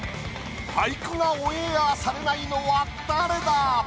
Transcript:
俳句がオンエアされないのは誰だ？